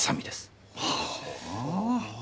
はあ。